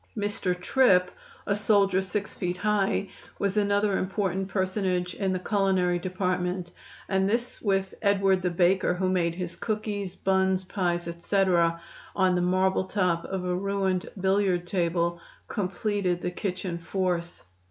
"Mr. Trip," a soldier six feet high, was another important personage in the culinary department, and this with "Edward, the baker," who made his "cookies," buns, pies, etc., on the marble top of a ruined billiard table, completed the kitchen force.